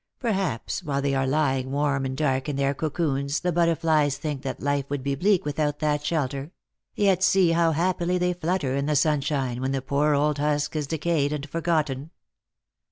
Perhaps while they are lying warm and dark in their cocoons the butterflies think that life would be bleak without that shelter ; yet see how happily they flutter in the sunshine when the poor old husk is decayed and forgotten."